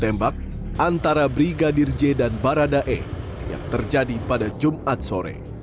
yang terjadi pada jumat sore